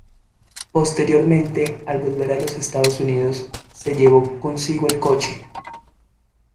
Posteriormente, al volver a los Estados Unidos, se llevó consigo el coche.